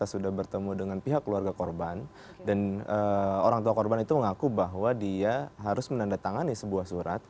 sudah bertemu dengan pihak keluarga korban dan orang tua korban itu mengaku bahwa dia harus menandatangani sebuah surat